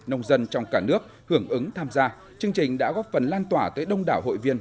nông dân trong cả nước hưởng ứng tham gia chương trình đã góp phần lan tỏa tới đông đảo hội viên